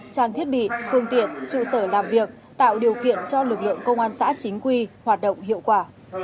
trang thiết bị phương tiện trụ sở làm việc tạo điều kiện cho lực lượng công an xã chính quy hoạt động hiệu quả